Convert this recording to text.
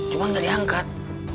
cuma gak diangkat